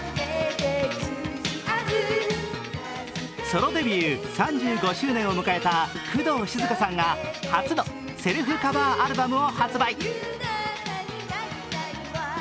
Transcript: ソロデビュー３５周年を迎えた工藤静香さんが初のセルフカバーアルバムを発売。